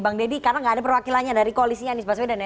bang deddy karena gak ada perwakilannya dari koalisinya anies baswedan ya